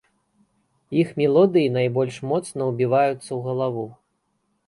Іх мелодыі найбольш моцна ўбіваюцца ў галаву.